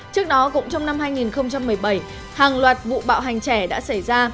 trước đó cũng trong năm hai nghìn một mươi bảy hàng loạt vụ bạo hành trẻ đã xảy ra